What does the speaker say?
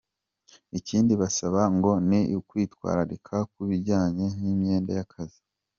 Ikindi babasaba ngo ni ukwitwararika ku bijyanye n’imyenda y’akazi.